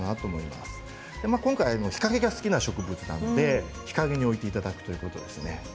今回は日陰が好きな植物なので日陰に置いていただきたいですね。